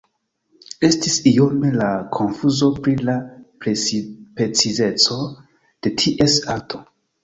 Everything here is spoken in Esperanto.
Estis iome da konfuzo pri la precizeco de ties alto.